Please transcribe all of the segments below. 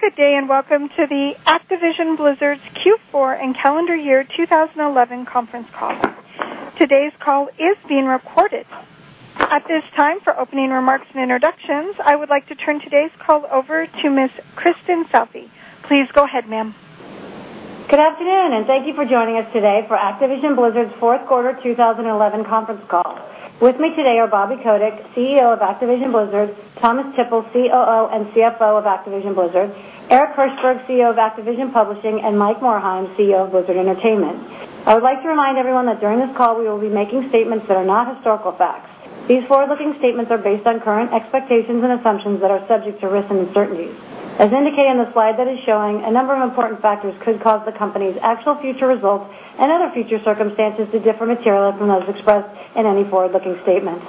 Good day and welcome to Activision Blizzard's Q4 and Calendar Year 2011 Conference Call. Today's call is being recorded. At this time, for opening remarks and introductions, I would like to turn today's call over to Ms. Kristin Southey. Please go ahead, ma'am. Good afternoon and thank you for joining us today for Activision Blizzard's Fourth Quarter 2011 Conference Call. With me today are Bobby Kotick, CEO of Activision Blizzard; Thomas Tippl, COO and CFO of Activision Blizzard; Eric Hirshberg, CEO of Activision Publishing; and Mike Morhaime, CEO of Blizzard Entertainment. I would like to remind everyone that during this call we will be making statements that are not historical facts. These forward-looking statements are based on current expectations and assumptions that are subject to risk and uncertainty. As indicated in the slide that is showing, a number of important factors could cause the company's actual future results and other future circumstances to differ materially from those expressed in any forward-looking statements.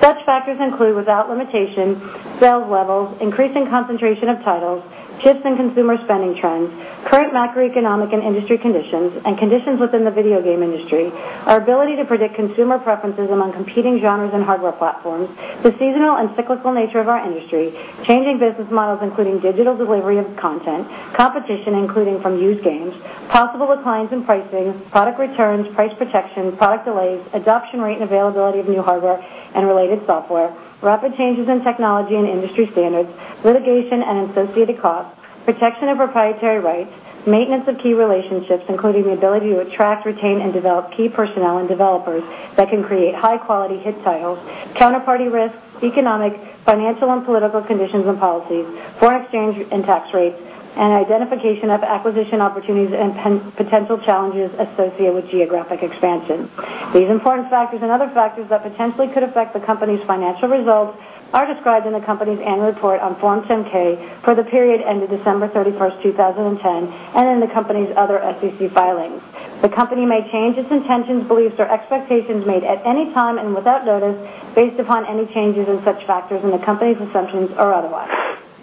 Such factors include, without limitation, sales levels, increasing concentration of titles, shifts in consumer spending trends, current macroeconomic and industry conditions, and conditions within the video game industry, our ability to predict consumer preferences among competing genres and hardware platforms, the seasonal and cyclical nature of our industry, changing business models including digital delivery of content, competition including from used games, possible declines in pricing, product returns, price protection, product delays, adoption rate and availability of new hardware and related software, rapid changes in technology and industry standards, litigation and associated costs, protection of proprietary rights, maintenance of key relationships including the ability to attract, retain, and develop key personnel and developers that can create high-quality hit titles, counterparty risks, economic, financial, and political conditions and policies, foreign exchange and tax rates, and identification of acquisition opportunities and potential challenges associated with geographic expansion. These informed factors and other factors that potentially could affect the company's financial results are described in the company's annual report on Form 10-K for the period ending December 31, 2010, and in the company's other SEC filings. The company may change its intentions, beliefs, or expectations made at any time and without notice based upon any changes in such factors in the company's assumptions or otherwise.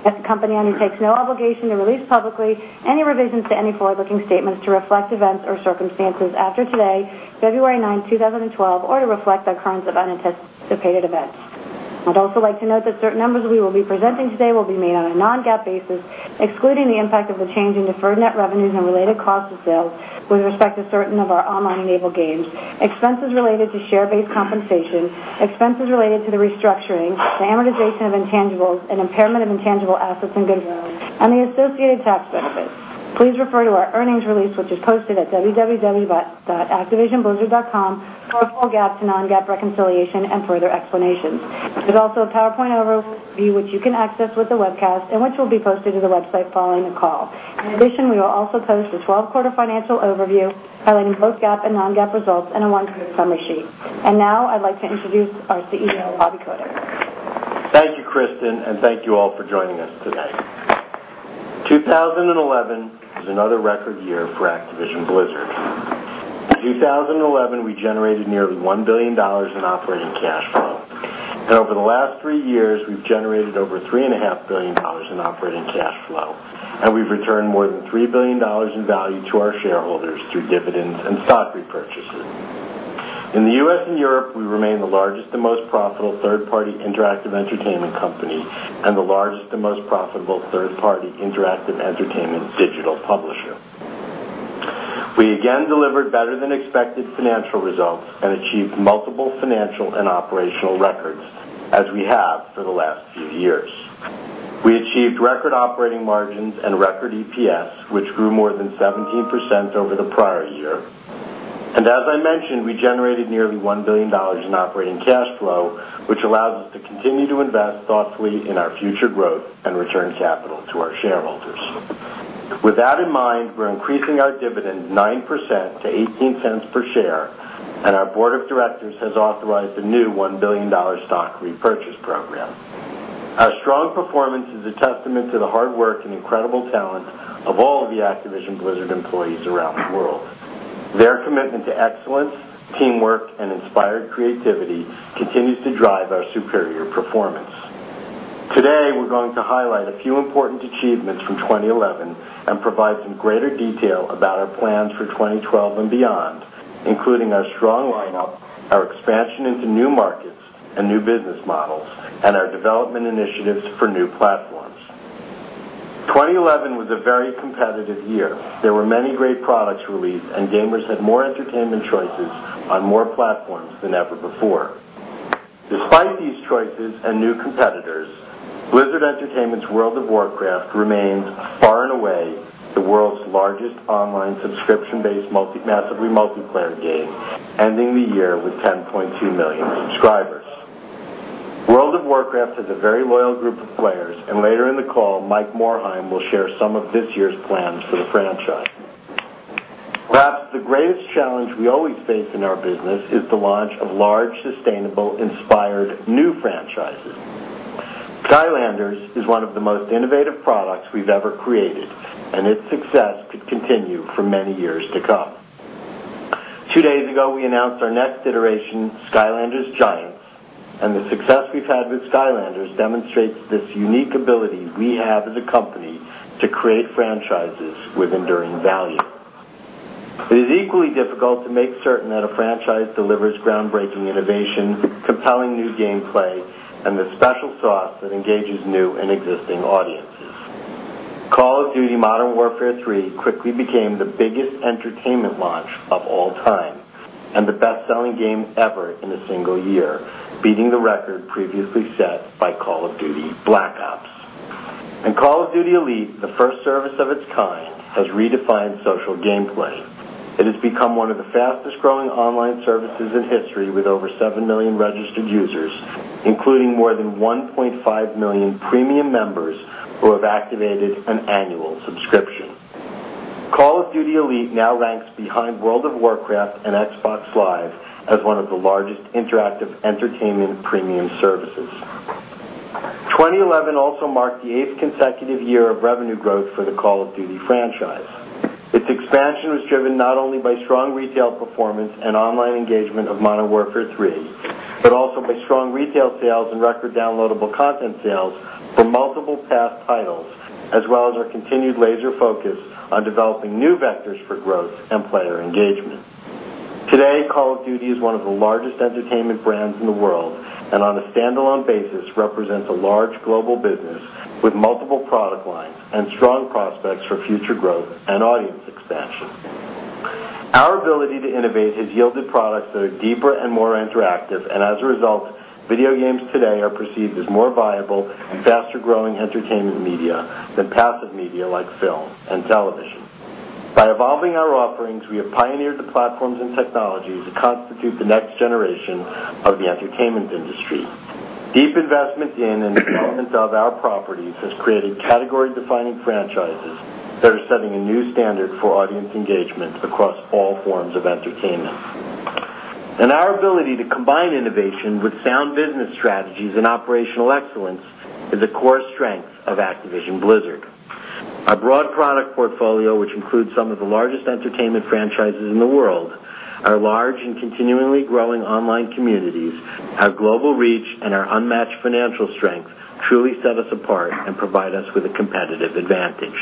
The company undertakes no obligation to release publicly any revisions to any forward-looking statements to reflect events or circumstances after today, February 9, 2012, or to reflect the occurrence of unanticipated events. I'd also like to note that certain numbers we will be presenting today will be made on a non-GAAP basis, excluding the impact of the change in deferred net revenues and related costs of sales with respect to certain of our online-enabled games, expenses related to share-based compensation, expenses related to the restructuring, the amortization of intangibles, and impairment of intangible assets and goodwill, and the associated tax benefits. Please refer to our earnings release, which is posted at www.activisionblizzard.com, for full GAAP to non-GAAP reconciliation and further explanations. There is also a PowerPoint overview, which you can access with the webcast and which will be posted to the website following the call. In addition, we will also post a 12-quarter financial overview highlighting both GAAP and non-GAAP results and a one-page summary sheet. Now I'd like to introduce our CEO, Bobby Kotick. Thank you, Kristin, and thank you all for joining us today. 2011 is another record year for Activision Blizzard. In 2011, we generated nearly $1 billion in operating cash flow. Over the last three years, we've generated over $3.5 billion in operating cash flow. We've returned more than $3 billion in value to our shareholders through dividends and stock repurchases. In the U.S. and Europe, we remain the largest and most profitable third-party interactive entertainment company and the largest and most profitable third-party interactive entertainment digital publisher. We again delivered better-than-expected financial results and achieved multiple financial and operational records, as we have for the last few years. We achieved record operating margins and record EPS, which grew more than 17% over the prior year. As I mentioned, we generated nearly $1 billion in operating cash flow, which allows us to continue to invest thoughtfully in our future growth and return capital to our shareholders. With that in mind, we're increasing our dividend 9% to $0.18 per share, and our Board of Directors has authorized a new $1 billion stock repurchase program. Our strong performance is a testament to the hard work and incredible talent of all of the Activision Blizzard employees around the world. Their commitment to excellence, teamwork, and inspired creativity continues to drive our superior performance. Today, we're going to highlight a few important achievements from 2011 and provide some greater detail about our plans for 2012 and beyond, including our strong lineup, our expansion into new markets and new business models, and our development initiatives for new platforms. 2011 was a very competitive year. There were many great products released, and gamers had more entertainment choices on more platforms than ever before. Despite these choices and new competitors, Blizzard Entertainment's World of Warcraft remains far and away the world's largest online subscription-based massively multiplayer game, ending the year with 10.2 million subscribers. World of Warcraft has a very loyal group of players, and later in the call, Mike Morhaime will share some of this year's plans for the franchise. The greatest challenge we always face in our business is the launch of large, sustainable, inspired new franchises. Skylanders is one of the most innovative products we've ever created, and its success could continue for many years to come. Two days ago, we announced our next iteration, Skylanders Giants, and the success we've had with Skylanders demonstrates this unique ability we have as a company to create franchises with enduring value. It is equally difficult to make certain that a franchise delivers groundbreaking innovations, compelling new gameplay, and the special sauce that engages new and existing audiences. Call of Duty: Modern Warfare 3 quickly became the biggest entertainment launch of all time and the best-selling game ever in a single year, beating the record previously set by Call of Duty: Black Ops. Call of Duty: Elite, the first service of its kind, has redefined social gameplay. It has become one of the fastest-growing online services in history, with over 7 million registered users, including more than 1.5 million premium members who have activated an annual subscription. Call of Duty: Elite now ranks behind World of Warcraft and Xbox Live as one of the largest interactive entertainment premium services. 2011 also marked the eighth consecutive year of revenue growth for the Call of Duty franchise. Its expansion was driven not only by strong retail performance and online engagement of Modern Warfare 3, but also by strong retail sales and record downloadable content sales for multiple past titles, as well as our continued laser focus on developing new vectors for growth and player engagement. Today, Call of Duty is one of the largest entertainment brands in the world and, on a standalone basis, represents a large global business with multiple product lines and strong prospects for future growth and audience expansion. Our ability to innovate has yielded products that are deeper and more interactive, and as a result, video games today are perceived as more viable and faster-growing entertainment media than passive media like film and television. By evolving our offerings, we have pioneered the platforms and technologies that constitute the next generation of the entertainment industry. Deep investment in and development of our properties has created category-defining franchises that are setting a new standard for audience engagement across all forms of entertainment. Our ability to combine innovation with sound business strategies and operational excellence is a core strength of Activision Blizzard. Our broad product portfolio, which includes some of the largest entertainment franchises in the world, our large and continually growing online communities, our global reach, and our unmatched financial strength truly set us apart and provide us with a competitive advantage.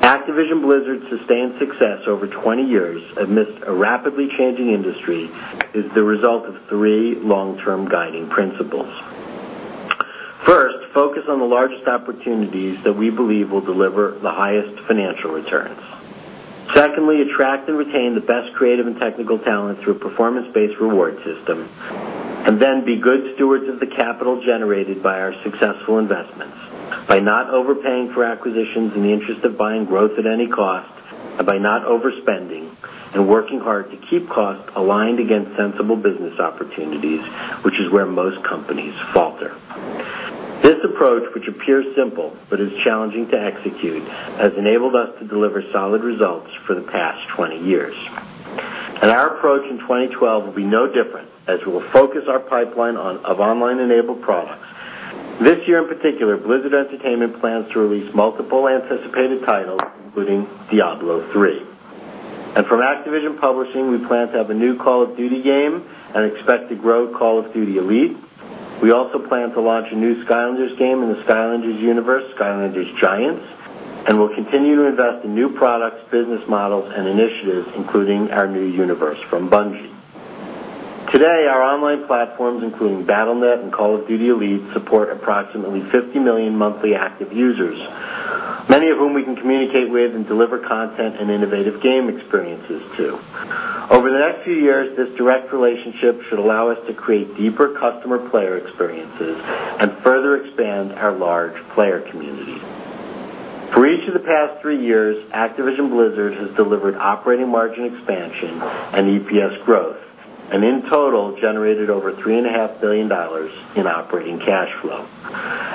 Activision Blizzard's sustained success over 20 years amidst a rapidly changing industry is the result of three long-term guiding principles. First, focus on the largest opportunities that we believe will deliver the highest financial returns. Secondly, attract and retain the best creative and technical talent through a performance-based reward system, and then be good stewards of the capital generated by our successful investments by not overpaying for acquisitions in the interest of buying growth at any cost and by not overspending and working hard to keep costs aligned against sensible business opportunities, which is where most companies falter. This approach, which appears simple but is challenging to execute, has enabled us to deliver solid results for the past 20 years. Our approach in 2012 will be no different, as we will focus our pipeline of online-enabled products. This year in particular, Blizzard Entertainment plans to release multiple anticipated titles, including Diablo III. From Activision Publishing, we plan to have a new Call of Duty game and expect to grow Call of Duty: Elite. We also plan to launch a new Skylanders game in the Skylanders universe, Skylanders Giants, and will continue to invest in new products, business models, and initiatives, including our new universe from Bungie. Today, our online platforms, including Battle.net and Call of Duty: Elite, support approximately 50 million monthly active users, many of whom we can communicate with and deliver content and innovative game experiences to. Over the next few years, this direct relationship should allow us to create deeper customer player experiences and further expand our large player community. For each of the past three years, Activision Blizzard has delivered operating margin expansion and EPS growth and, in total, generated over $3.5 billion in operating cash flow.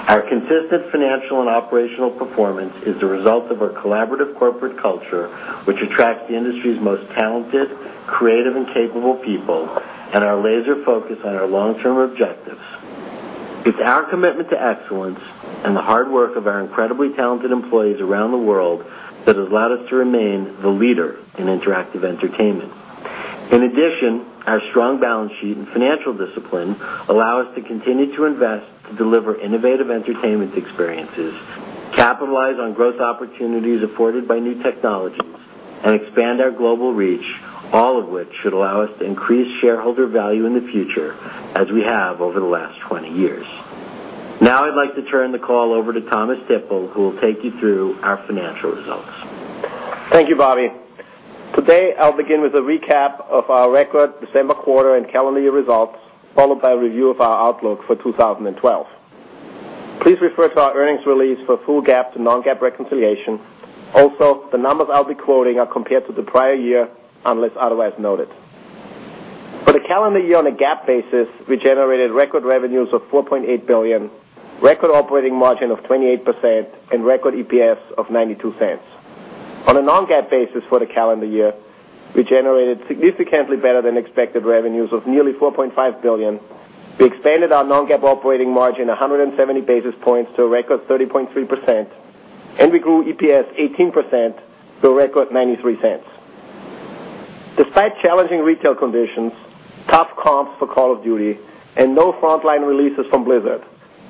Our consistent financial and operational performance is the result of a collaborative corporate culture, which attracts the industry's most talented, creative, and capable people, and our laser focus on our long-term objectives. It's our commitment to excellence and the hard work of our incredibly talented employees around the world that allowed us to remain the leader in interactive entertainment. In addition, our strong balance sheet and financial discipline allow us to continue to invest to deliver innovative entertainment experiences, capitalize on growth opportunities afforded by new technologies, and expand our global reach, all of which should allow us to increase shareholder value in the future, as we have over the last 20 years. Now I'd like to turn the call over to Thomas Tippl, who will take you through our financial results. Thank you, Bobby. Today, I'll begin with a recap of our record December quarter and calendar year results, followed by a review of our outlook for 2012. Please refer to our earnings release for full GAAP to non-GAAP reconciliation. Also, the numbers I'll be quoting are compared to the prior year unless otherwise noted. For the calendar year, on a GAAP basis, we generated record revenues of $4.8 billion, record operating margin of 28%, and record EPS of $0.92. On a non-GAAP basis for the calendar year, we generated significantly better than expected revenues of nearly $4.5 billion. We expanded our non-GAAP operating margin 170 basis points to a record 30.3%, and we grew EPS 18% to a record $0.93. Despite challenging retail conditions, tough comps for Call of Duty, and no frontline releases from Blizzard,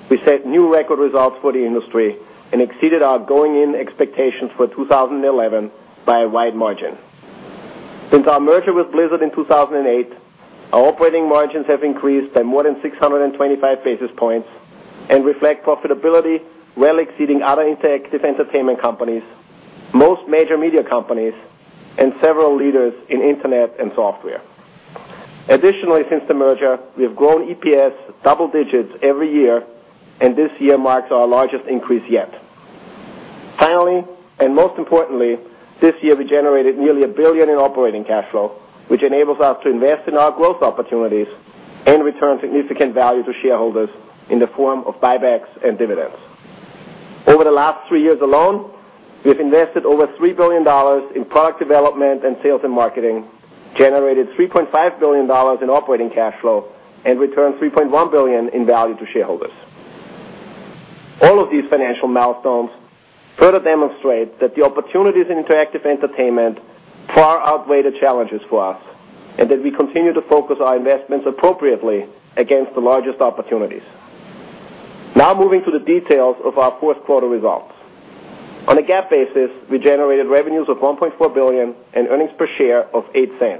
we set new record results for the industry and exceeded our going-in expectations for 2011 by a wide margin. Since our merger with Blizzard in 2008, our operating margins have increased by more than 625 basis points and reflect profitability well exceeding other interactive entertainment companies, most major media companies, and several leaders in internet and software. Additionally, since the merger, we have grown EPS double digits every year, and this year marks our largest increase yet. Finally, and most importantly, this year we generated nearly $1 billion in operating cash flow, which enables us to invest in our growth opportunities and return significant value to shareholders in the form of buybacks and dividends. Over the last three years alone, we've invested over $3 billion in product development and sales and marketing, generated $3.5 billion in operating cash flow, and returned $3.1 billion in value to shareholders. All of these financial milestones further demonstrate that the opportunities in interactive entertainment far outweigh the challenges for us and that we continue to focus our investments appropriately against the largest opportunities. Now moving to the details of our fourth quarter results. On a GAAP basis, we generated revenues of $1.4 billion and earnings per share of $0.08.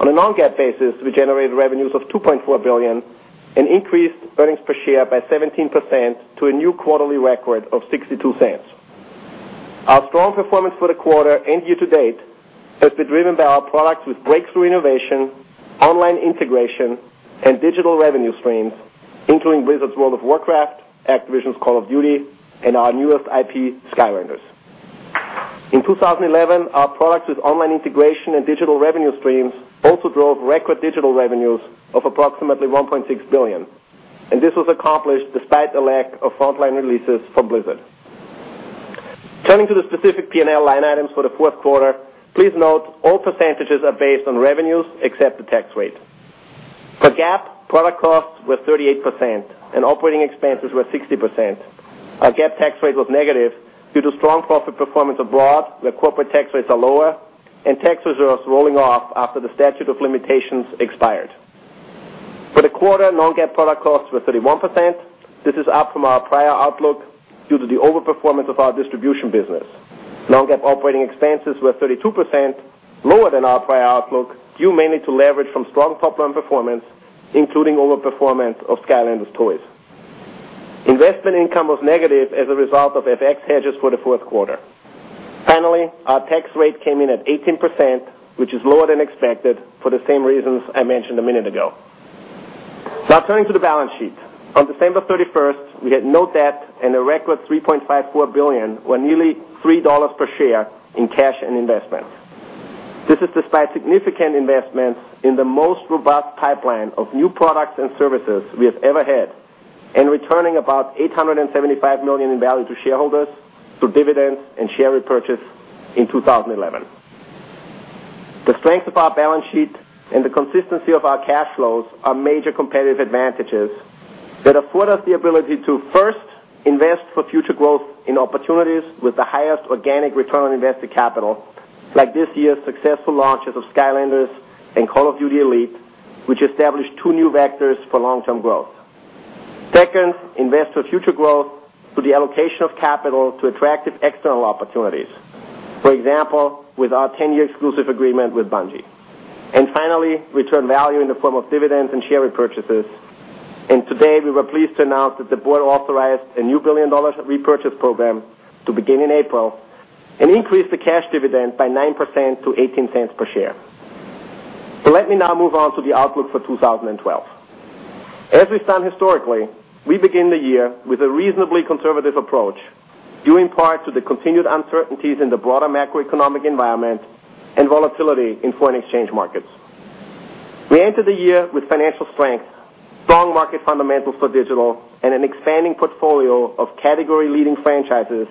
On a non-GAAP basis, we generated revenues of $2.4 billion and increased earnings per share by 17% to a new quarterly record of $0.62. Our strong performance for the quarter and year to date has been driven by our products with breakthrough innovation, online integration, and digital revenue streams, including Blizzard's World of Warcraft, Activision's Call of Duty, and our newest IP, Skylanders. In 2011, our products with online integration and digital revenue streams also drove record digital revenues of approximately $1.6 billion, and this was accomplished despite a lack of frontline releases from Blizzard. Turning to the specific P&L line items for the fourth quarter, please note all percentages are based on revenues except the tax rate. For GAAP, product costs were 38% and operating expenses were 60%. Our GAAP tax rate was negative due to strong profit performance abroad, where corporate tax rates are lower and tax reserves rolling off after the statute of limitations expired. For the quarter, non-GAAP product costs were 31%. This is up from our prior outlook due to the overperformance of our distribution business. Non-GAAP operating expenses were 32%, lower than our prior outlook, due mainly to leverage from strong top-line performance, including overperformance of Skylanders toys. Investment income was negative as a result of FX hedges for the fourth quarter. Finally, our tax rate came in at 18%, which is lower than expected for the same reasons I mentioned a minute ago. Now turning to the balance sheet. On December 31st, we had no debt and a record $3.54 billion or nearly $3 per share in cash and investments. This is despite significant investments in the most robust pipeline of new products and services we have ever had and returning about $875 million in value to shareholders through dividends and share repurchase in 2011. The strength of our balance sheet and the consistency of our cash flows are major competitive advantages that afford us the ability to, first, invest for future growth in opportunities with the highest organic return on invested capital, like this year's successful launches of Skylanders and Call of Duty: Elite, which established two new vectors for long-term growth. Second, invest for future growth through the allocation of capital to attractive external opportunities, for example, with our 10-year exclusive agreement with Bungie. Finally, return value in the form of dividends and share repurchases. Today, we were pleased to announce that the Board authorized a new $1 billion repurchase program to begin in April and increase the cash dividend by 9% to $0.18 per share. Let me now move on to the outlook for 2012. As we've done historically, we begin the year with a reasonably conservative approach, due in part to the continued uncertainties in the broader macroeconomic environment and volatility in foreign exchange markets. We entered the year with financial strength, strong market fundamentals for digital, and an expanding portfolio of category-leading franchises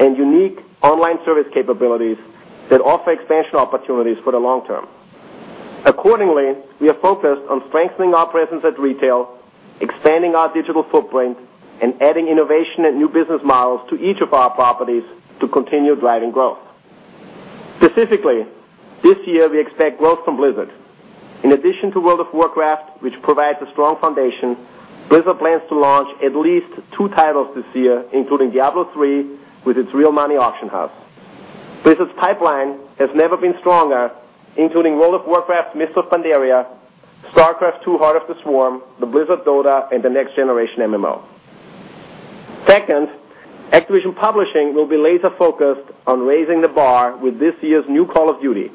and unique online service capabilities that offer expansion opportunities for the long term. Accordingly, we are focused on strengthening our presence at retail, expanding our digital footprint, and adding innovation and new business models to each of our properties to continue driving growth. Specifically, this year we expect growth from Blizzard. In addition to World of Warcraft, which provides a strong foundation, Blizzard plans to launch at least two titles this year, including Diablo III with its real-money auction house. Blizzard's pipeline has never been stronger, including World of Warcraft: Mists of Pandaria, StarCraft II: Heart of the Swarm, the Blizzard Dota, and the next-generation MMO. Second, Activision Publishing will be laser-focused on raising the bar with this year's new Call of Duty,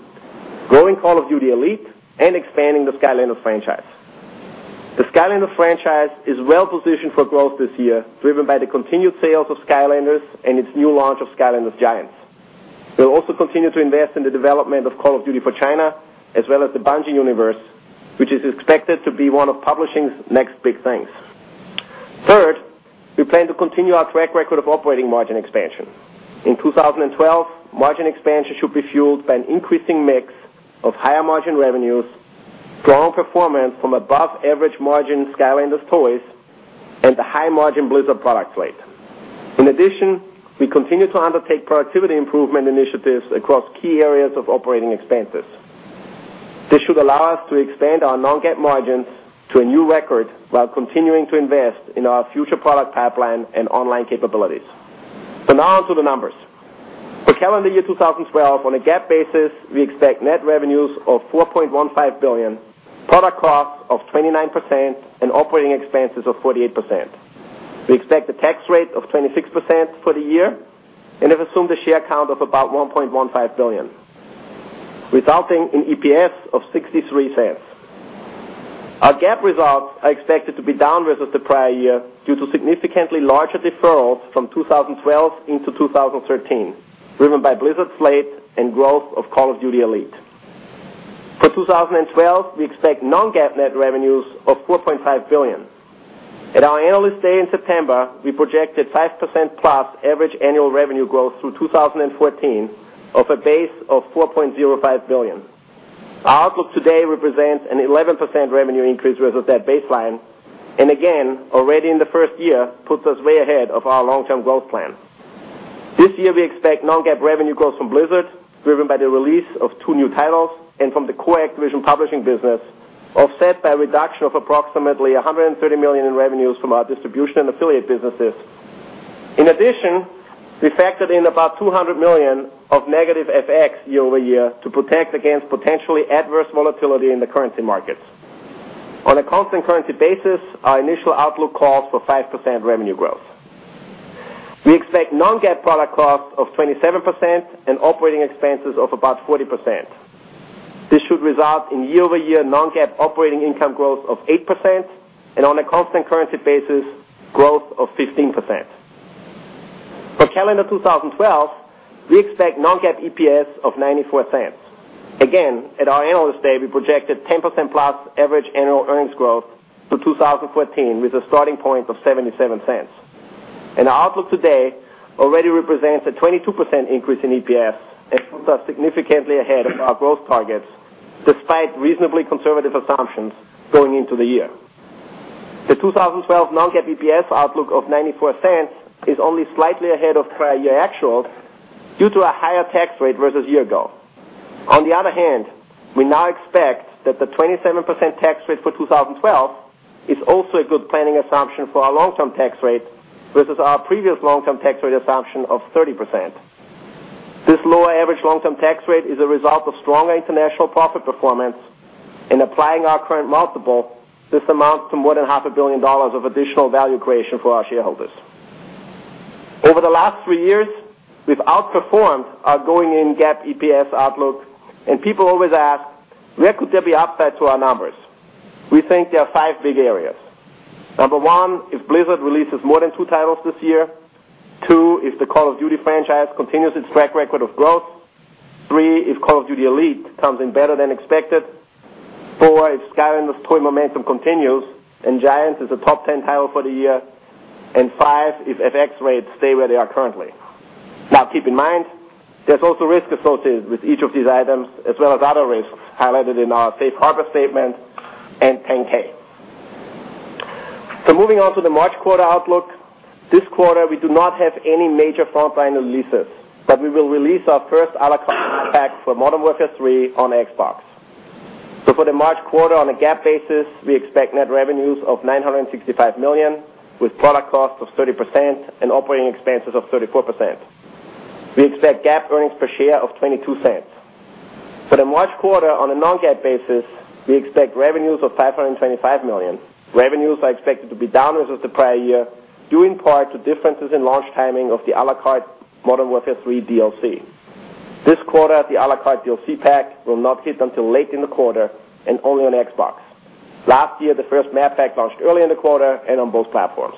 growing Call of Duty: Elite, and expanding the Skylanders franchise. The Skylanders franchise is well-positioned for growth this year, driven by the continued sales of Skylanders and its new launch of Skylanders Giants. We will also continue to invest in the development of Call of Duty for China, as well as the Bungie universe, which is expected to be one of publishing's next big things. Third, we plan to continue our track record of operating margin expansion. In 2012, margin expansion should be fueled by an increasing mix of higher margin revenues, strong performance from above-average margin Skylanders toys, and the high-margin Blizzard product fleet. In addition, we continue to undertake productivity improvement initiatives across key areas of operating expenses. This should allow us to expand our non-GAAP margins to a new record while continuing to invest in our future product pipeline and online capabilities. Now on to the numbers. For calendar year 2012, on a GAAP basis, we expect net revenues of $4.15 billion, product costs of 29%, and operating expenses of 48%. We expect a tax rate of 26% for the year and have assumed a share count of about 1.15 billion, resulting in EPS of $0.63. Our GAAP results are expected to be down versus the prior year due to significantly larger deferrals from 2012 into 2013, driven by Blizzard's fleet and growth of Call of Duty: Elite. For 2012, we expect non-GAAP net revenues of $4.5 billion. At our analyst day in September, we projected 5%+ average annual revenue growth through 2014 off a base of $4.05 billion. Our outlook today represents an 11% revenue increase versus that baseline, and already in the first year, puts us way ahead of our long-term growth plan. This year, we expect non-GAAP revenue growth from Blizzard, driven by the release of two new titles and from the core Activision Publishing business, offset by a reduction of approximately $130 million in revenues from our distribution and affiliate businesses. In addition, we factored in about $200 million of negative FX year-over-year to protect against potentially adverse volatility in the currency markets. On a constant currency basis, our initial outlook calls for 5% revenue growth. We expect non-GAAP product costs of 27% and operating expenses of about 40%. This should result in year-over-year non-GAAP operating income growth of 8% and, on a constant currency basis, growth of 15%. For calendar 2012, we expect non-GAAP EPS of $0.94. At our analyst day, we projected 10%+ average annual earnings growth to 2014 with a starting point of $0.77. Our outlook today already represents a 22% increase in EPS and puts us significantly ahead of our growth targets, despite reasonably conservative assumptions going into the year. The 2012 non-GAAP EPS outlook of $0.94 is only slightly ahead of prior year actual due to a higher tax rate versus a year ago. On the other hand, we now expect that the 27% tax rate for 2012 is also a good planning assumption for our long-term tax rate versus our previous long-term tax rate assumption of 30%. This lower average long-term tax rate is a result of stronger international profit performance, and applying our current multiple, this amounts to more than half a billion dollars of additional value creation for our shareholders. Over the last three years, we've outperformed our going-in GAAP EPS outlook, and people always ask, where could there be upside to our numbers? We think there are five big areas. Number one, if Blizzard releases more than two titles this year. Two, if the Call of Duty franchise continues its track record of growth. Three, if Call of Duty: Elite comes in better than expected. Four, if Skylanders toy momentum continues and Giants is a top 10 title for the year. Five, if FX rates stay where they are currently. Now keep in mind, there's also risk associated with each of these items, as well as other risks highlighted in our safe harbor statement and 10K. Moving on to the March quarter outlook, this quarter we do not have any major frontline releases, but we will release our first a la carte pack for Modern Warfare 3 on Xbox. For the March quarter, on a GAAP basis, we expect net revenues of $965 million with product costs of 30% and operating expenses of 34%. We expect GAAP earnings per share of $0.22. For the March quarter, on a non-GAAP basis, we expect revenues of $525 million. Revenues are expected to be down versus the prior year, due in part to differences in launch timing of the a la carte Modern Warfare 3 DLC. This quarter, the a la carte DLC pack will not hit until late in the quarter and only on Xbox. Last year, the first map pack launched early in the quarter and on both platforms.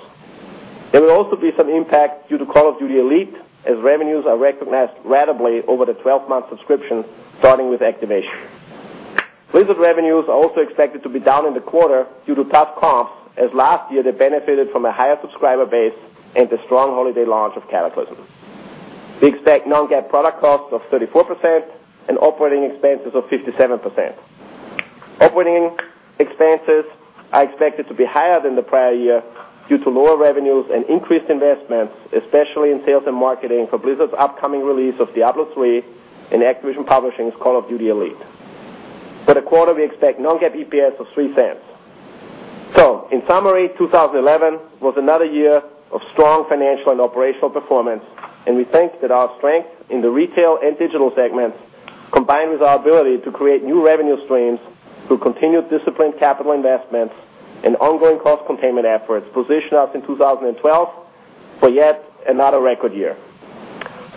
There will also be some impact due to Call of Duty: Elite, as revenues are recognized rapidly over the 12-month subscription starting with activation. Blizzard revenues are also expected to be down in the quarter due to tough comps, as last year they benefited from a higher subscriber base and the strong holiday launch of Cataclysm. We expect non-GAAP product costs of 34% and operating expenses of 57%. Operating expenses are expected to be higher than the prior year due to lower revenues and increased investments, especially in sales and marketing for Blizzard's upcoming release of Diablo III and Activision Publishing's Call of Duty: Elite. For the quarter, we expect non-GAAP EPS of $0.03. In summary, 2011 was another year of strong financial and operational performance, and we think that our strength in the retail and digital segments, combined with our ability to create new revenue streams through continued disciplined capital investments and ongoing cost containment efforts, positioned us in 2012 for yet another record year.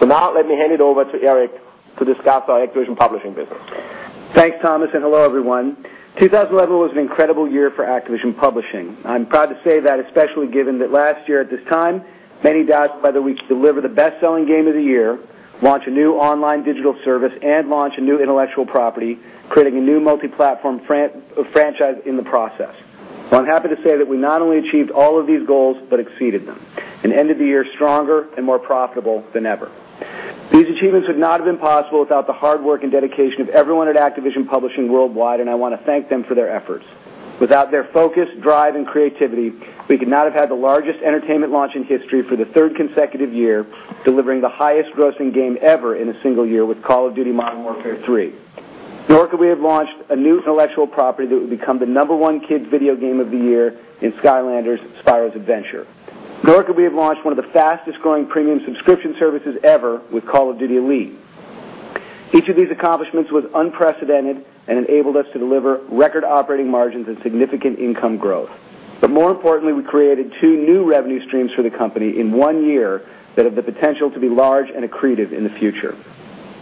Now let me hand it over to Eric to discuss our Activision Publishing business. Thanks, Thomas, and hello, everyone. 2011 was an incredible year for Activision Publishing. I'm proud to say that, especially given that last year at this time, many doubted whether we could deliver the best-selling game of the year, launch a new online digital service, and launch a new intellectual property, creating a new multi-platform franchise in the process. I'm happy to say that we not only achieved all of these goals but exceeded them and ended the year stronger and more profitable than ever. These achievements would not have been possible without the hard work and dedication of everyone at Activision Publishing worldwide, and I want to thank them for their efforts. Without their focus, drive, and creativity, we could not have had the largest entertainment launch in history for the third consecutive year, delivering the highest-grossing game ever in a single year with Call of Duty: Modern Warfare 3. Nor could we have launched a new intellectual property that would become the number one kids' video game of the year in Skylanders: Spyro's Adventure. Nor could we have launched one of the fastest-growing premium subscription services ever with Call of Duty: Elite. Each of these accomplishments was unprecedented and enabled us to deliver record operating margins and significant income growth. More importantly, we created two new revenue streams for the company in one year that have the potential to be large and accretive in the future.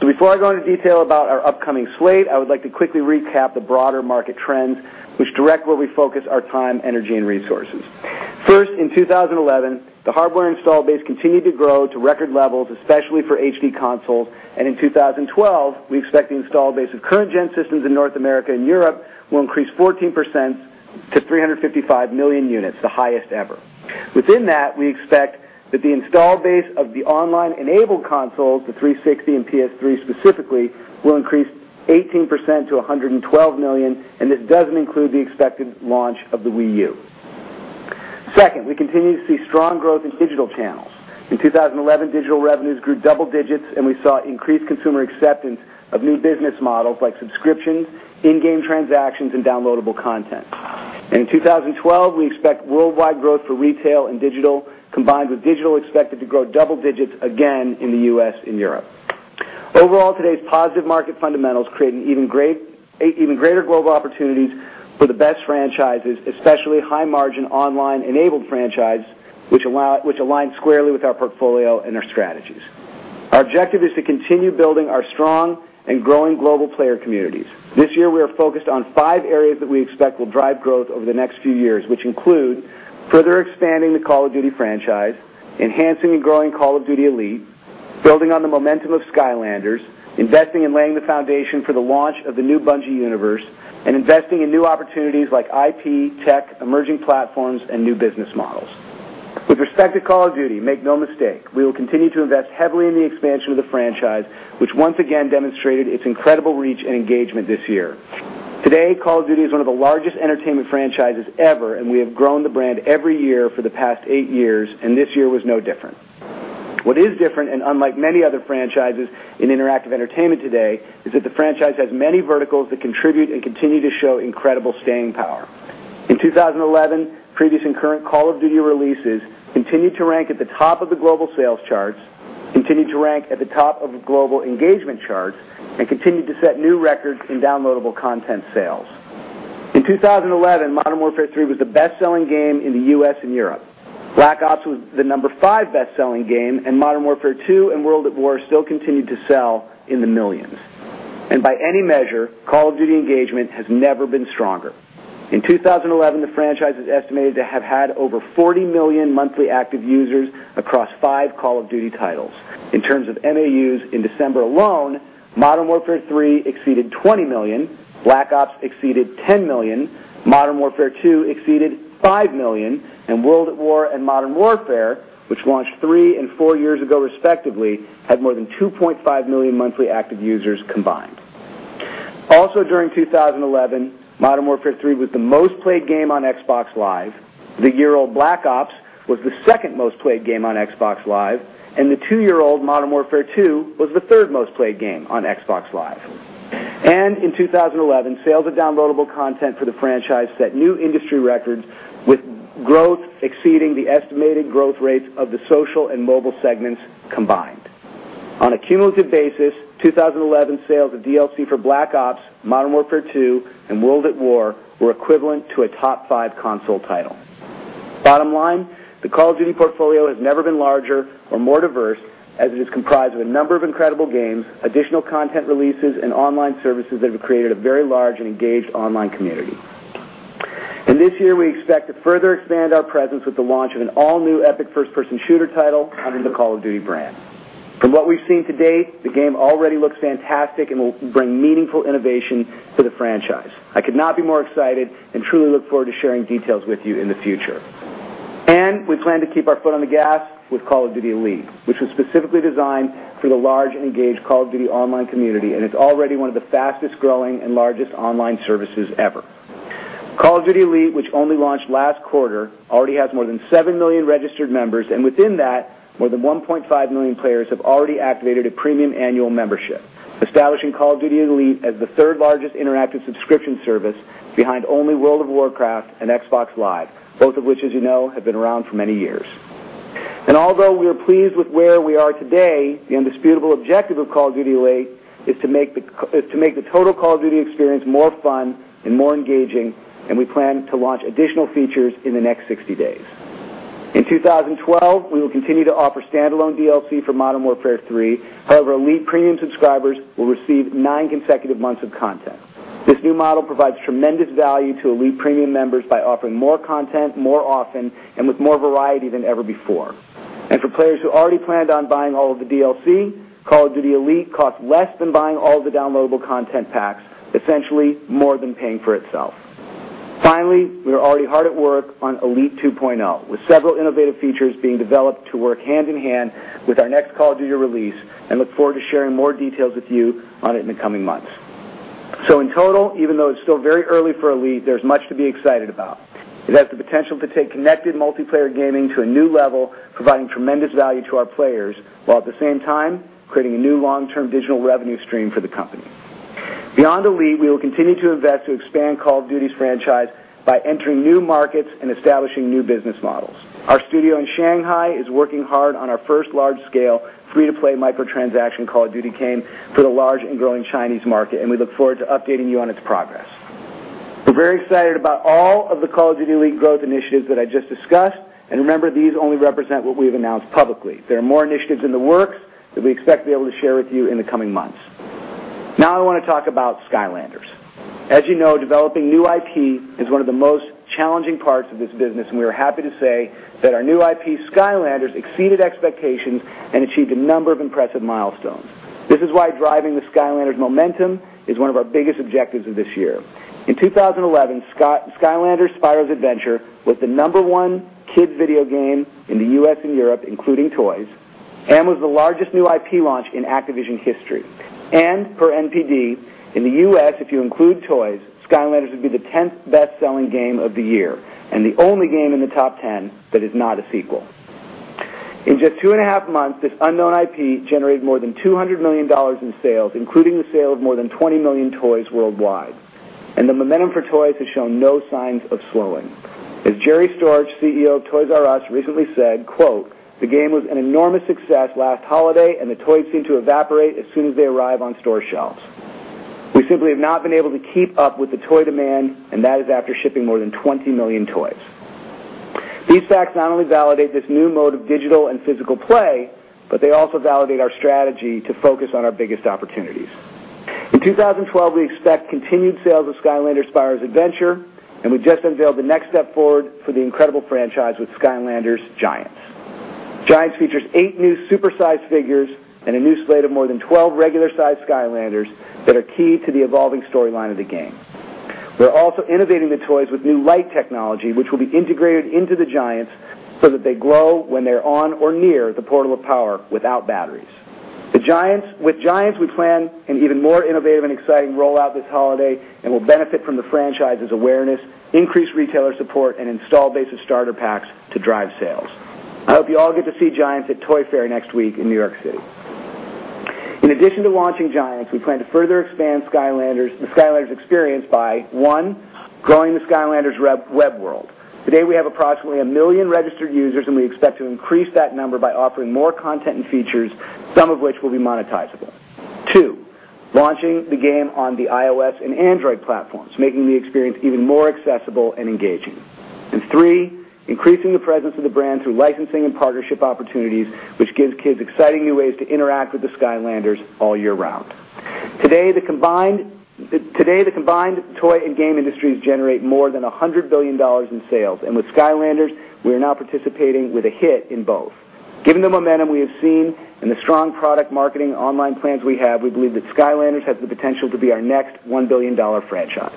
Before I go into detail about our upcoming slate, I would like to quickly recap the broader market trends, which direct where we focus our time, energy, and resources. First, in 2011, the hardware install base continued to grow to record levels, especially for HD consoles. In 2012, we expect the install base of current-gen systems in North America and Europe will increase 14% to 355 million units, the highest ever. Within that, we expect that the install base of the online-enabled consoles, the 360 and PS3 specifically, will increase 18% to 112 million, and this does not include the expected launch of the Wii U. Second, we continue to see strong growth in digital channels. In 2011, digital revenues grew double digits, and we saw increased consumer acceptance of new business models like subscriptions, in-game transactions, and downloadable content. In 2012, we expect worldwide growth for retail and digital, combined with digital expected to grow double digits again in the U.S. and Europe. Overall, today's positive market fundamentals create even greater global opportunities for the best franchises, especially high-margin online-enabled franchises, which align squarely with our portfolio and our strategies. Our objective is to continue building our strong and growing global player communities. This year, we are focused on five areas that we expect will drive growth over the next few years, which include further expanding the Call of Duty franchise, enhancing and growing Call of Duty: Elite, building on the momentum of Skylanders, investing and laying the foundation for the launch of the new Bungie universe, and investing in new opportunities like IP, tech, emerging platforms, and new business models. With respect to Call of Duty, make no mistake, we will continue to invest heavily in the expansion of the franchise, which once again demonstrated its incredible reach and engagement this year. Today, Call of Duty is one of the largest entertainment franchises ever, and we have grown the brand every year for the past eight years, and this year was no different. What is different, and unlike many other franchises in interactive entertainment today, is that the franchise has many verticals that contribute and continue to show incredible staying power. In 2011, previous and current Call of Duty releases continued to rank at the top of the global sales charts, continued to rank at the top of global engagement charts, and continued to set new records in downloadable content sales. In 2011, Modern Warfare 3 was the best-selling game in the U.S. and Europe. Black Ops was the number five best-selling game, and Modern Warfare 2 and World at War still continued to sell in the millions. By any measure, Call of Duty engagement has never been stronger. In 2011, the franchise is estimated to have had over 40 million monthly active users across five Call of Duty titles. In terms of MAUs in December alone, Modern Warfare 3 exceeded 20 million, Black Ops exceeded 10 million, Modern Warfare 2 exceeded 5 million, and World at War and Modern Warfare, which launched three and four years ago respectively, had more than 2.5 million monthly active users combined. Also, during 2011, Modern Warfare 3 was the most played game on Xbox Live. The year-old Black Ops was the second most played game on Xbox Live, and the two-year-old Modern Warfare 2 was the third most played game on Xbox Live. In 2011, sales of downloadable content for the franchise set new industry records with growth exceeding the estimated growth rates of the social and mobile segments combined. On a cumulative basis, 2011 sales of DLC for Black Ops, Modern Warfare 2, and World at War were equivalent to a top five console title. The bottom line is the Call of Duty portfolio has never been larger or more diverse, as it is comprised of a number of incredible games, additional content releases, and online services that have created a very large and engaged online community. This year, we expect to further expand our presence with the launch of an all-new epic first-person shooter title under the Call of Duty brand. From what we've seen to date, the game already looks fantastic and will bring meaningful innovation for the franchise. I could not be more excited and truly look forward to sharing details with you in the future. We plan to keep our foot on the gas with Call of Duty: Elite, which was specifically designed for the large and engaged Call of Duty online community, and it's already one of the fastest growing and largest online services ever. Call of Duty: Elite, which only launched last quarter, already has more than 7 million registered members, and within that, more than 1.5 million players have already activated a premium annual membership, establishing Call of Duty: Elite as the third largest interactive subscription service behind only World of Warcraft and Xbox Live, both of which, as you know, have been around for many years. Although we are pleased with where we are today, the undisputable objective of Call of Duty: Elite is to make the total Call of Duty experience more fun and more engaging, and we plan to launch additional features in the next 60 days. In 2012, we will continue to offer standalone DLC for Modern Warfare 3. However, Elite Premium subscribers will receive nine consecutive months of content. This new model provides tremendous value to Elite Premium members by offering more content more often and with more variety than ever before. For players who already planned on buying all of the DLC, Call of Duty: Elite costs less than buying all of the downloadable content packs, essentially more than paying for itself. Finally, we are already hard at work on Elite 2.0, with several innovative features being developed to work hand in hand with our next Call of Duty release, and look forward to sharing more details with you on it in the coming months. In total, even though it's still very early for Elite, there's much to be excited about. It has the potential to take connected multiplayer gaming to a new level, providing tremendous value to our players, while at the same time creating a new long-term digital revenue stream for the company. Beyond Elite, we will continue to invest to expand Call of Duty's franchise by entering new markets and establishing new business models. Our studio in Shanghai is working hard on our first large-scale free-to-play microtransaction Call of Duty game for the large and growing Chinese market, and we look forward to updating you on its progress. We're very excited about all of the Call of Duty: Elite growth initiatives that I just discussed, and remember, these only represent what we have announced publicly. There are more initiatives in the works that we expect to be able to share with you in the coming months. Now I want to talk about Skylanders. As you know, developing new IP is one of the most challenging parts of this business, and we are happy to say that our new IP, Skylanders, exceeded expectations and achieved a number of impressive milestones. This is why driving the Skylanders momentum is one of our biggest objectives of this year. In 2011, Skylanders: Spyro's Adventure was the number one kids' video game in the U.S. and Europe, including toys, and was the largest new IP launch in Activision history. Per NPD, in the U.S., if you include toys, Skylanders would be the 10th best-selling game of the year and the only game in the top 10 that is not a sequel. In just two and a half months, this unknown IP generated more than $200 million in sales, including the sale of more than 20 million toys worldwide. The momentum for toys has shown no signs of slowing. As Jerry Storch, CEO of Toys"R"Us, recently said, "The game was an enormous success last holiday, and the toys seem to evaporate as soon as they arrive on store shelves." We simply have not been able to keep up with the toy demand, and that is after shipping more than 20 million toys. These facts not only validate this new mode of digital and physical play, but they also validate our strategy to focus on our biggest opportunities. In 2012, we expect continued sales of Skylanders: Spyro’s Adventure, and we’ve just unveiled the next step forward for the incredible franchise with Skylanders: Giants. Giants features eight new super-sized figures and a new slate of more than 12 regular-sized Skylanders that are key to the evolving storyline of the game. We’re also innovating the toys with new light technology, which will be integrated into the Giants so that they glow when they’re on or near the portal of power without batteries. With Giants, we plan an even more innovative and exciting rollout this holiday and will benefit from the franchise’s awareness, increased retailer support, and install base of starter packs to drive sales. I hope you all get to see Giants at Toy Fair next week in New York City. In addition to launching Giants, we plan to further expand the Skylanders experience by, one, growing the Skylanders web world. Today, we have approximately a million registered users, and we expect to increase that number by offering more content and features, some of which will be monetizable. Two, launching the game on the iOS and Android platforms, making the experience even more accessible and engaging. Three, increasing the presence of the brand through licensing and partnership opportunities, which gives kids exciting new ways to interact with the Skylanders all year round. Today, the combined toy and game industries generate more than $100 billion in sales, and with Skylanders, we are now participating with a hit in both. Given the momentum we have seen and the strong product marketing online plans we have, we believe that Skylanders has the potential to be our next $1 billion franchise.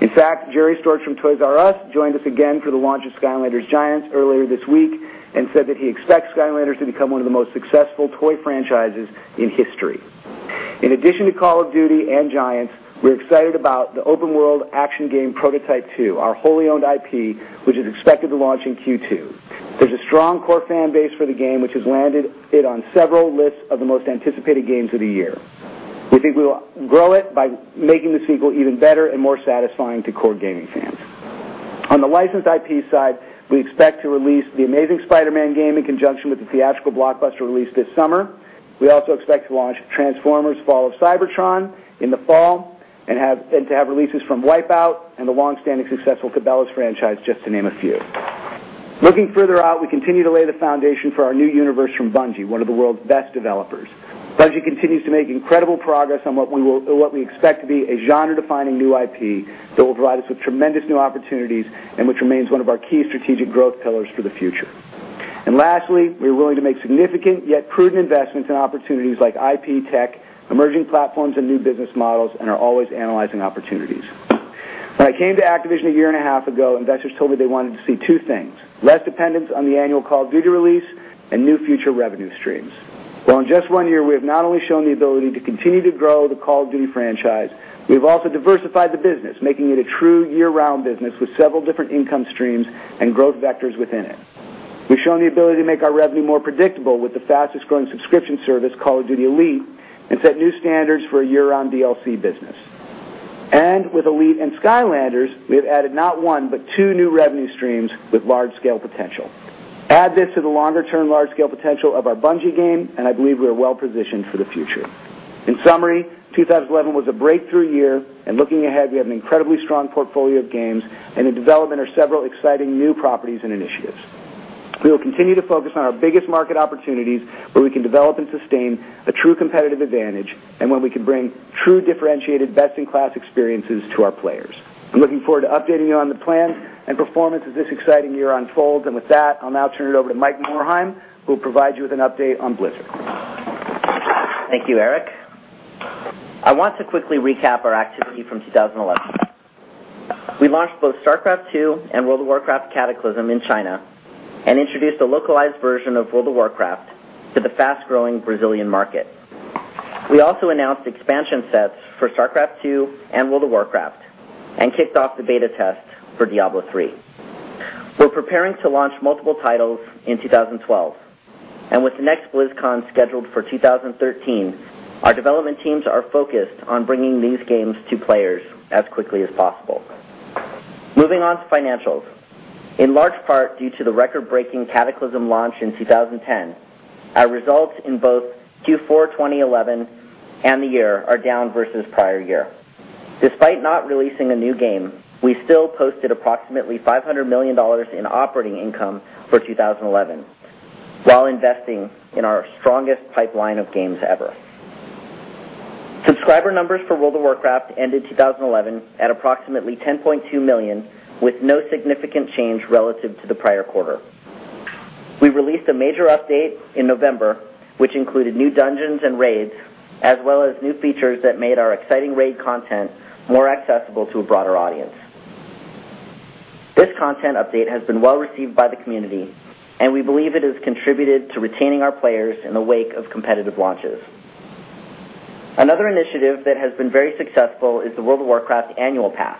In fact, Jerry Storch from Toys"R"Us joined us again for the launch of Skylanders: Giants earlier this week and said that he expects Skylanders to become one of the most successful toy franchises in history. In addition to Call of Duty and Giants, we’re excited about the open-world action game Prototype 2, our wholly owned IP, which is expected to launch in Q2. There’s a strong core fan base for the game, which has landed it on several lists of the most anticipated games of the year. We think we will grow it by making the sequel even better and more satisfying to core gaming fans. On the licensed IP side, we expect to release The Amazing Spider-Man game in conjunction with the theatrical blockbuster release this summer. We also expect to launch Transformers: Fall of Cybertron in the fall and to have releases from Wipeout and the long-standing successful Cabela's franchise, just to name a few. Looking further out, we continue to lay the foundation for our new universe from Bungie, one of the world's best developers. Bungie continues to make incredible progress on what we expect to be a genre-defining new IP that will provide us with tremendous new opportunities and which remains one of our key strategic growth pillars for the future. Lastly, we are willing to make significant yet prudent investments in opportunities like IP tech, emerging platforms, and new business models and are always analyzing opportunities. When I came to Activision a year and a half ago, investors told me they wanted to see two things: less dependence on the annual Call of Duty release and new future revenue streams. In just one year, we have not only shown the ability to continue to grow the Call of Duty franchise, we have also diversified the business, making it a true year-round business with several different income streams and growth vectors within it. We've shown the ability to make our revenue more predictable with the fastest growing subscription service, Call of Duty: Elite, and set new standards for a year-round DLC business. With Elite and Skylanders, we have added not one but two new revenue streams with large-scale potential. Add this to the longer-term large-scale potential of our Bungie game, and I believe we are well positioned for the future. In summary, 2011 was a breakthrough year, and looking ahead, we have an incredibly strong portfolio of games, and in development are several exciting new properties and initiatives. We will continue to focus on our biggest market opportunities where we can develop and sustain a true competitive advantage and when we can bring true differentiated best-in-class experiences to our players. I'm looking forward to updating you on the plan and performance as this exciting year unfolds. With that, I'll now turn it over to Mike Morhaime, who will provide you with an update on Blizzard. Thank you, Eric. I want to quickly recap our activity from 2011. We launched both StarCraft 2 and World of Warcraft: Cataclysm in China and introduced a localized version of World of Warcraft to the fast-growing Brazilian market. We also announced expansion sets for StarCraft 2 and World of Warcraft and kicked off the beta test for Diablo III. We're preparing to launch multiple titles in 2012, and with the next BlizzCon scheduled for 2013, our development teams are focused on bringing these games to players as quickly as possible. Moving on to financials, in large part due to the record-breaking Cataclysm launch in 2010, our results in both Q4 2011 and the year are down versus prior year. Despite not releasing a new game, we still posted approximately $500 million in operating income for 2011 while investing in our strongest pipeline of games ever. Subscriber numbers for World of Warcraft ended 2011 at approximately 10.2 million, with no significant change relative to the prior quarter. We released a major update in November, which included new dungeons and raids, as well as new features that made our exciting raid content more accessible to a broader audience. This content update has been well-received by the community, and we believe it has contributed to retaining our players in the wake of competitive launches. Another initiative that has been very successful is the World of Warcraft Annual Pass.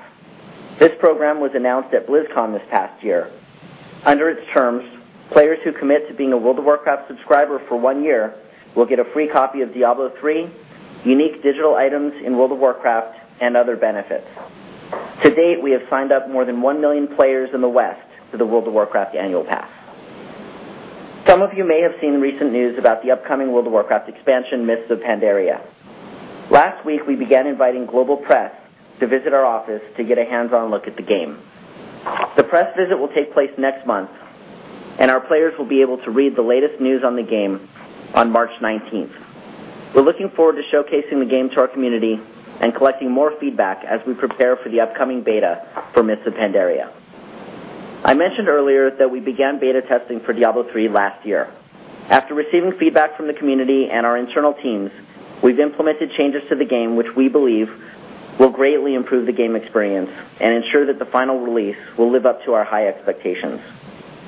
This program was announced at BlizzCon this past year. Under its terms, players who commit to being a World of Warcraft subscriber for one year will get a free copy of Diablo III, unique digital items in World of Warcraft, and other benefits. To date, we have signed up more than 1 million players in the West to the World of Warcraft Annual Pass. Some of you may have seen recent news about the upcoming World of Warcraft expansion, Mists of Pandaria. Last week, we began inviting global press to visit our office to get a hands-on look at the game. The press visit will take place next month, and our players will be able to read the latest news on the game on March 19th. We're looking forward to showcasing the game to our community and collecting more feedback as we prepare for the upcoming beta for Mists of Pandaria. I mentioned earlier that we began beta testing for Diablo III last year. After receiving feedback from the community and our internal teams, we've implemented changes to the game, which we believe will greatly improve the game experience and ensure that the final release will live up to our high expectations.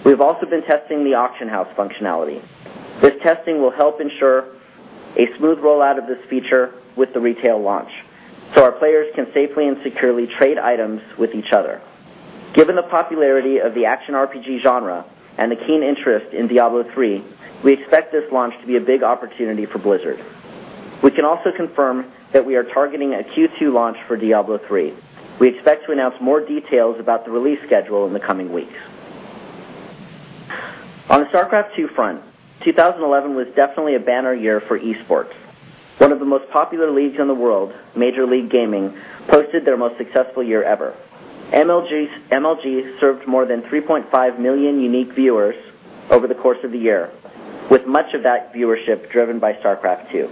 We've also been testing the auction house functionality. This testing will help ensure a smooth rollout of this feature with the retail launch so our players can safely and securely trade items with each other. Given the popularity of the action RPG genre and the keen interest in Diablo III, we expect this launch to be a big opportunity for Blizzard Entertainment. We can also confirm that we are targeting a Q2 launch for Diablo III. We expect to announce more details about the release schedule in the coming weeks. On the StarCraft II front, 2011 was definitely a banner year for eSports. One of the most popular leagues in the world, Major League Gaming, posted their most successful year ever. MLG served more than 3.5 million unique viewers over the course of the year, with much of that viewership driven by StarCraft II.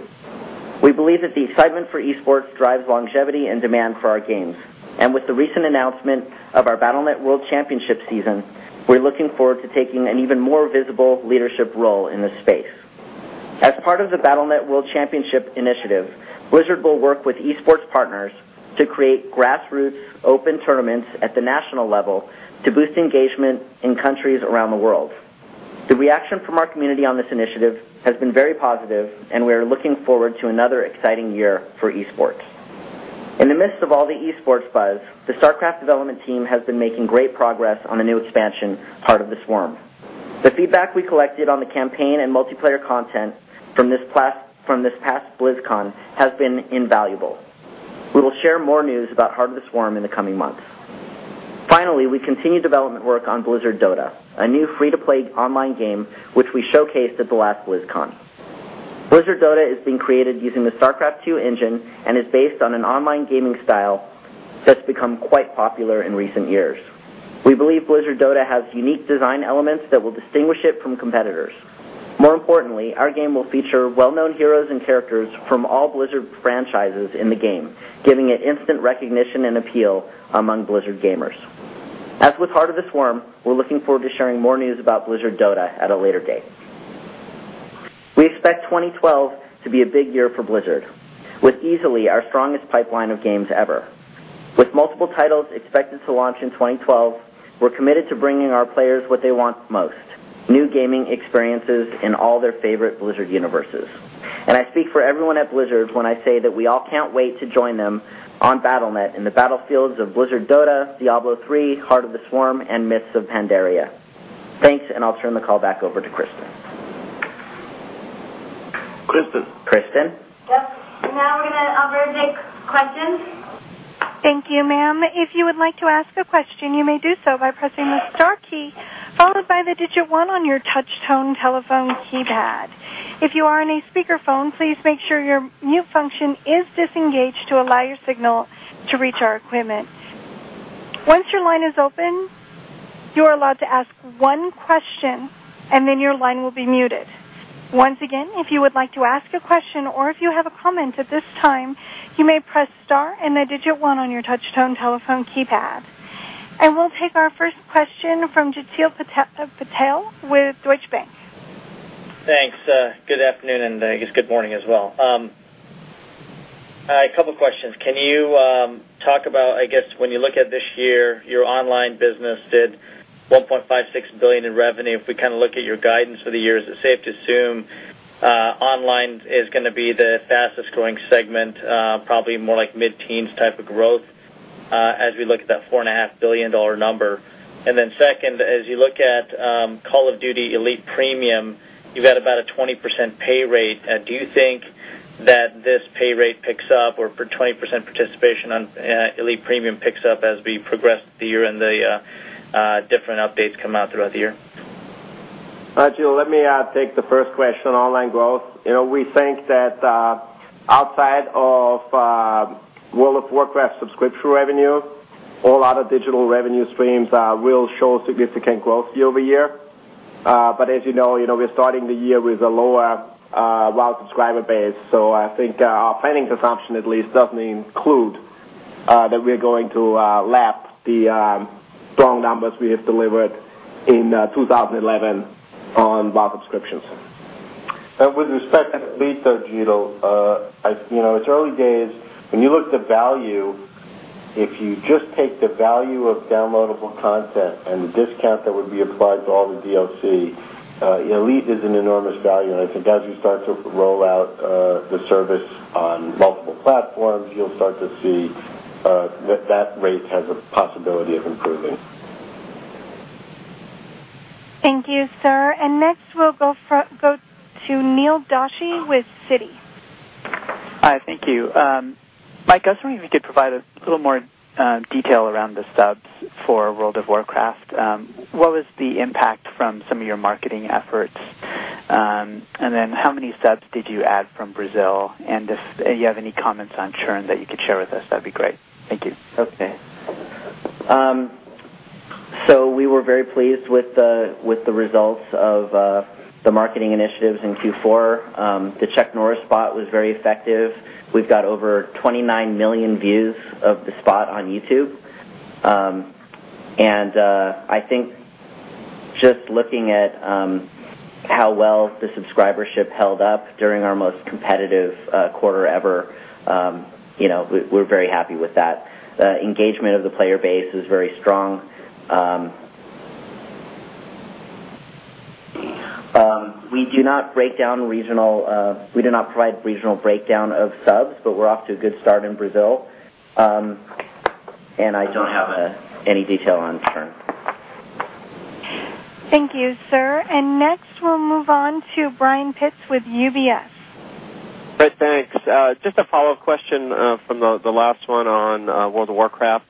We believe that the excitement for eSports drives longevity and demand for our games, and with the recent announcement of our Battle.net World Championship season, we're looking forward to taking an even more visible leadership role in this space. As part of the Battle.net World Championship initiative, Blizzard Entertainment will work with eSports partners to create grassroots open tournaments at the national level to boost engagement in countries around the world. The reaction from our community on this initiative has been very positive, and we are looking forward to another exciting year for eSports. In the midst of all the eSports buzz, the StarCraft development team has been making great progress on the new expansion, Heart of the Swarm. The feedback we collected on the campaign and multiplayer content from this past BlizzCon has been invaluable. We will share more news about Heart of the Swarm in the coming months. Finally, we continue development work on Blizzard Dota, a new free-to-play online game which we showcased at the last BlizzCon. Blizzard Dota is being created using the StarCraft II engine and is based on an online gaming style that's become quite popular in recent years. We believe Blizzard Dota has unique design elements that will distinguish it from competitors. More importantly, our game will feature well-known heroes and characters from all Blizzard franchises in the game, giving it instant recognition and appeal among Blizzard gamers. As with Heart of the Swarm, we're looking forward to sharing more news about Blizzard Dota at a later date. We expect 2012 to be a big year for Blizzard, with easily our strongest pipeline of games ever. With multiple titles expected to launch in 2012, we're committed to bringing our players what they want most: new gaming experiences in all their favorite Blizzard universes. I speak for everyone at Blizzard when I say that we all can't wait to join them on Battle.net in the battlefields of Blizzard Dota, Diablo III, Heart of the Swarm, and Mists of Pandaria. Thanks, and I'll turn the call back over to Kristin. Kristin. Kristin. Yep. Now we're going to bring in questions. Thank you, ma'am. If you would like to ask a question, you may do so by pressing the star key followed by the digit one on your touch-tone telephone keypad. If you are on a speakerphone, please make sure your mute function is disengaged to allow your signal to reach our equipment. Once your line is open, you are allowed to ask one question, and then your line will be muted. Once again, if you would like to ask a question or if you have a comment at this time, you may press star and the digit one on your touch-tone telephone keypad. We will take our first question from Jeetil Patel with Deutsche Bank. Thanks. Good afternoon, and I guess good morning as well. A couple of questions. Can you talk about, I guess, when you look at this year, your online business did $1.56 billion in revenue? If we kind of look at your guidance for the year, is it safe to assume online is going to be the fastest growing segment, probably more like mid-teens type of growth as we look at that $4.5 billion number? Second, as you look at Call of Duty: Elite Premium, you've got about a 20% pay rate. Do you think that this pay rate picks up or 20% participation on Elite Premium picks up as we progress through the year and the different updates come out throughout the year? Jeetil, let me take the first question on online growth. We think that outside of World of Warcraft subscription revenue, all other digital revenue streams will show significant growth year over year. As you know, we're starting the year with a lower World of Warcraft subscriber base. I think our planning consumption at least doesn't include that we're going to lap the strong numbers we have delivered in 2011 on World of Warcraft subscriptions. With respect to Blizzard, Jeetil, it's early days. When you look at the value, if you just take the value of downloadable content and the discount that would be applied for all the DLC, Elite is an enormous value. I think as we start to roll out the service on multiple platforms, you'll start to see that rate has a possibility of improving. Thank you, sir. Next, we'll go to Neil Doshi with Citi. Hi, thank you. Mike, I was wondering if you could provide a little more detail around the subs for World of Warcraft. What was the impact from some of your marketing efforts? How many subs did you add from Brazil? If you have any comments on churn that you could share with us, that'd be great. Thank you. Okay. We were very pleased with the results of the marketing initiatives in Q4. The Czech Nora spot was very effective. We've got over 29 million views of the spot on YouTube. I think just looking at how well the subscribership held up during our most competitive quarter ever, we're very happy with that. Engagement of the player base is very strong. We do not provide regional breakdown of subs, but we're off to a good start in Brazil. I don't have any detail on churn. Thank you, sir. Next, we'll move on to Brian Pitz with UBS. Chris, thanks. Just a follow-up question from the last one on World of Warcraft.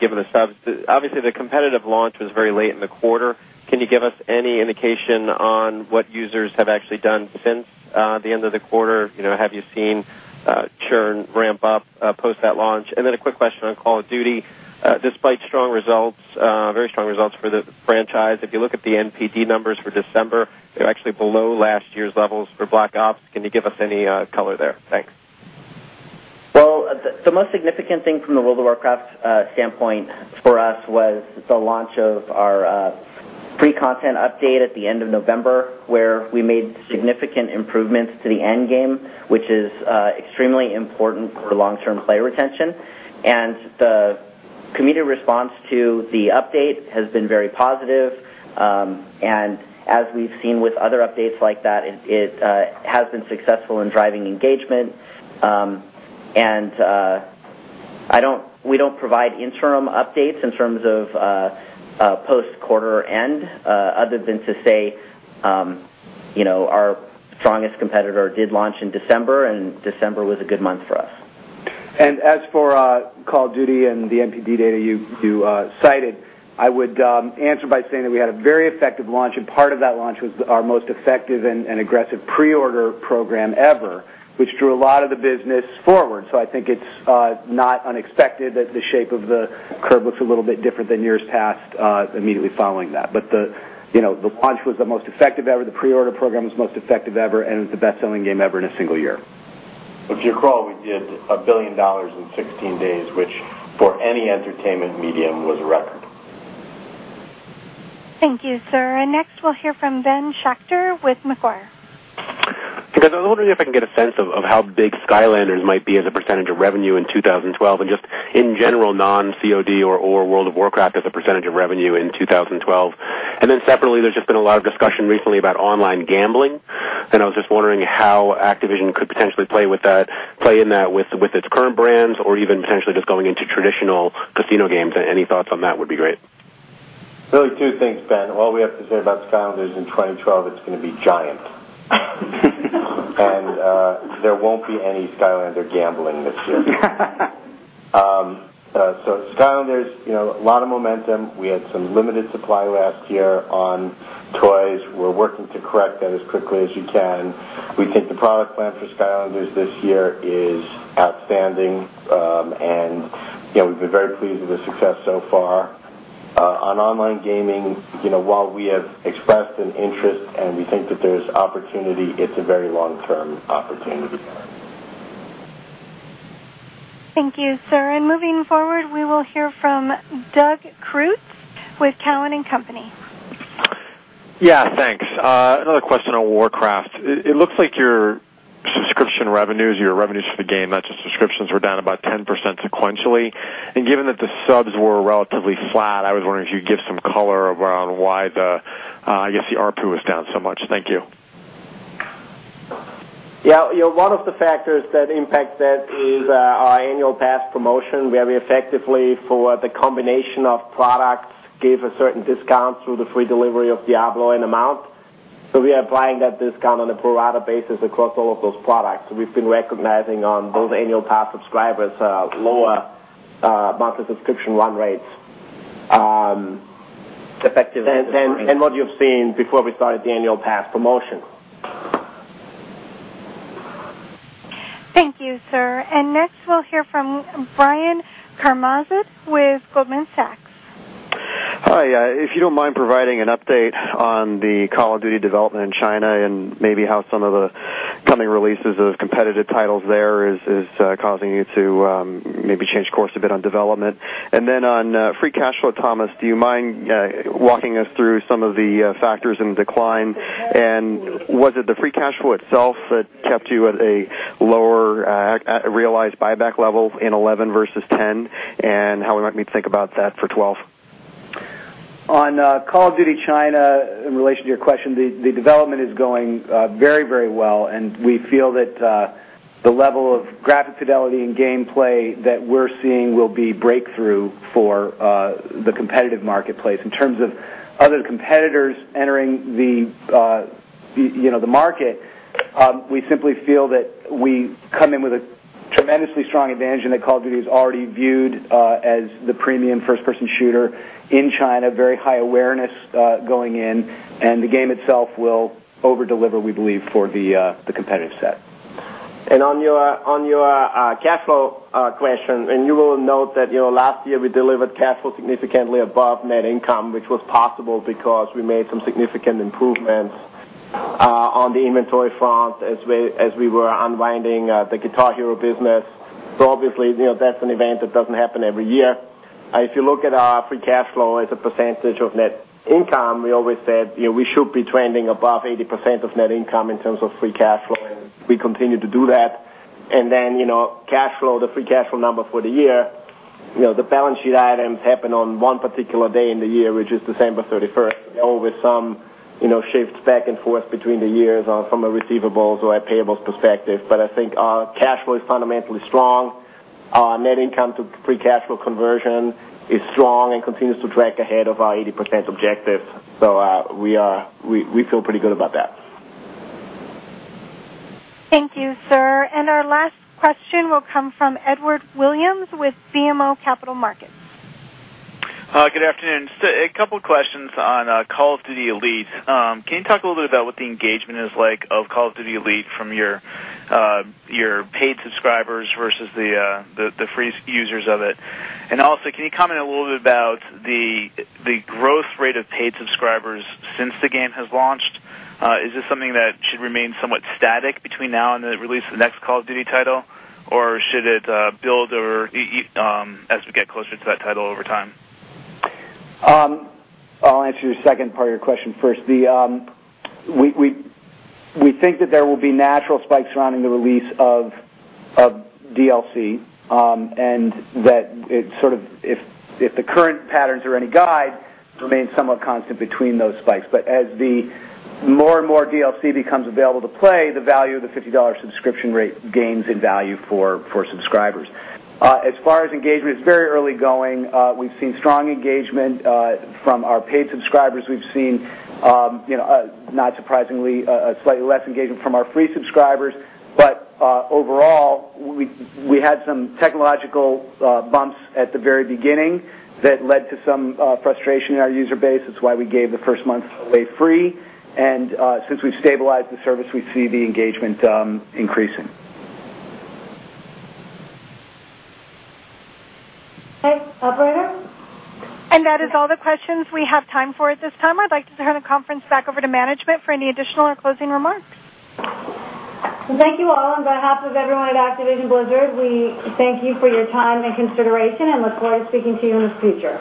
Given the subs, obviously the competitive launch was very late in the quarter. Can you give us any indication on what users have actually done since the end of the quarter? Have you seen churn ramp up post that launch? A quick question on Call of Duty. Despite strong results, very strong results for the franchise, if you look at the NPD numbers for December, they're actually below last year's levels for Black Ops. Can you give us any color there? Thanks. The most significant thing from the World of Warcraft standpoint for us was the launch of our pre-content update at the end of November, where we made significant improvements to the endgame, which is extremely important for long-term player retention. The community response to the update has been very positive. As we've seen with other updates like that, it has been successful in driving engagement. We don't provide interim updates in terms of post-quarter end, other than to say our strongest competitor did launch in December, and December was a good month for us. As for Call of Duty and the NPD data you cited, I would answer by saying that we had a very effective launch, and part of that launch was our most effective and aggressive pre-order program ever, which drew a lot of the business forward. I think it's not unexpected that the shape of the curve looks a little bit different than years past immediately following that. The launch was the most effective ever. The pre-order program was the most effective ever and the best-selling game ever in a single year. If you recall, we did $1 billion in 16 days, which for any entertainment medium was a record. Thank you, sir. Next, we'll hear from Ben Schachter with Macquarie. Because I was wondering if I can get a sense of how big Skylanders might be as a percent of revenue in 2012, and just in general, non-Call of Duty or World of Warcraft as a percent of revenue in 2012. Then separately, there's just been a lot of discussion recently about online gambling, and I was just wondering how Activision could potentially play in that with its current brands or even potentially just going into traditional casino games. Any thoughts on that would be great. Really two things, Ben. What we have to say about Skylanders in 2012, it's going to be giant. There won't be any Skylanders gambling this year. Skylanders, a lot of momentum. We had some limited supply last year on toys. We're working to correct that as quickly as we can. We think the product plan for Skylanders this year is outstanding, and we've been very pleased with the success so far. On online gaming, while we have expressed an interest and we think that there's opportunity, it's a very long-term opportunity. Thank you, sir. Moving forward, we will hear from Doug Creutz with Cowen and Company. Yeah, thanks. Another question on Warcraft. It looks like your subscription revenues, your revenues for the game, not just subscriptions, were down about 10% sequentially. Given that the subs were relatively flat, I was wondering if you could give some color around why the, I guess, the ARPU was down so much. Thank you. Yeah, a lot of the factors that impact that is our annual pass promotion. We have effectively, for the combination of products, gave a certain discount through the free delivery of Diablo and a mount. We are applying that discount on a pro-rata basis across all of those products. We've been recognizing on those annual pass subscribers lower monthly subscription run rates. Effectively. What you've seen before we started the annual pass promotion. Thank you, sir. Next, we'll hear from Brian Karimzad with Goldman Sachs. Hi, yeah. If you don't mind providing an update on the Call of Duty development in China and maybe how some of the coming releases of competitive titles there are causing you to maybe change course a bit on development. On free cash flow, Thomas, do you mind walking us through some of the factors in the decline? Was it the free cash flow itself that kept you at a lower realized buyback level in 2011 versus 2010 and how we might need to think about that for 2012? On Call of Duty China, in relation to your question, the development is going very, very well, and we feel that the level of graphic fidelity and gameplay that we're seeing will be breakthrough for the competitive marketplace. In terms of other competitors entering the market, we simply feel that we come in with a tremendously strong advantage, and that Call of Duty is already viewed as the premium first-person shooter in China, very high awareness going in. The game itself will overdeliver, we believe, for the competitive set. On your cash flow question, you will note that last year we delivered cash flow significantly above net income, which was possible because we made some significant improvements on the inventory front as we were unwinding the Guitar Hero business. Obviously, that's an event that doesn't happen every year. If you look at our free cash flow as a percentage of net income, we always said we should be trending above 80% of net income in terms of free cash flow, and we continue to do that. The free cash flow number for the year, the balance sheet items happen on one particular day in the year, which is December 31st, with some shifts back and forth between the years from a receivables or payables perspective. I think our cash flow is fundamentally strong. Our net income to free cash flow conversion is strong and continues to track ahead of our 80% objectives. We feel pretty good about that. Thank you, sir. Our last question will come from Edward Williams with BMO Capital Market. Good afternoon. A couple of questions on Call of Duty: Elite. Can you talk a little bit about what the engagement is like of Call of Duty: Elite from your paid subscribers versus the free users of it? Also, can you comment a little bit about the growth rate of paid subscribers since the game has launched? Is this something that should remain somewhat static between now and the release of the next Call of Duty title, or should it build as we get closer to that title over time? I'll answer your second part of your question first. We think that there will be natural spikes surrounding the release of DLC, and that it, if the current patterns are any guide, remains somewhat constant between those spikes. As more and more DLC becomes available to play, the value of the $50 subscription rate gains in value for subscribers. As far as engagement, it's very early going. We've seen strong engagement from our paid subscribers. We've seen, not surprisingly, slightly less engagement from our free subscribers. Overall, we had some technological bumps at the very beginning that led to some frustration in our user base. That's why we gave the first month away free. Since we've stabilized the service, we see the engagement increasing. Okay, operator. That is all the questions we have time for at this time. I'd like to turn the conference back over to management for any additional or closing remarks. Thank you all. On behalf of everyone at Activision Blizzard, we thank you for your time and consideration and look forward to speaking to you in the future.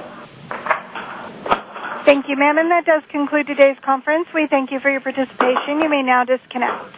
Thank you, ma'am. That does conclude today's conference. We thank you for your participation. You may now disconnect.